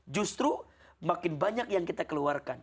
maka makin banyak yang bisa kita berikan